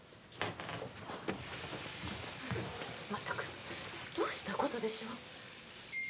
まったくどうしたことでしょう